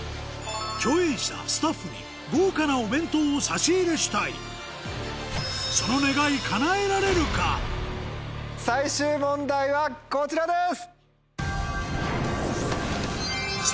共演者スタッフに豪華なお弁当を最終問題はこちらです！